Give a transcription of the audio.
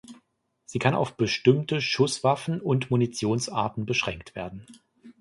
Sie kann auf bestimmte Schusswaffen- und Munitionsarten beschränkt werden.